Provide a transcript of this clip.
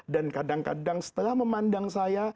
dan kadang kadang setelah memandang saya